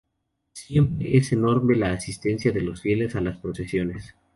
Siempre es enorme la asistencia de fieles a las Procesiones.